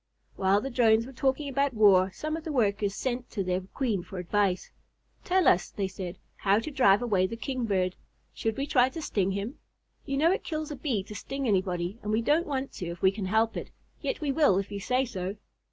While the Drones were talking about war, some of the Workers sent to their Queen for advice. "Tell us," they said, "how to drive away the Kingbird. Should we try to sting him? You know it kills a Bee to sting anybody, and we don't want to if we can help it, yet we will if you say so."